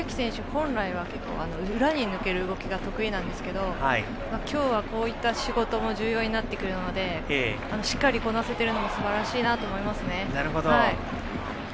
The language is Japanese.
本来は裏に抜けるプレーが得意なんですが今日はこういった仕事も重要になってくるのでしっかりとこなせているのもすばらしいなと思いますね。